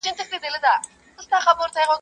o جغ پر غاړه، او جغ غواړه.